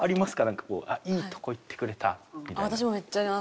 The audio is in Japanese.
なんかこういいとこ言ってくれたみたいな。